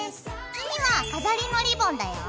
次は飾りのリボンだよ。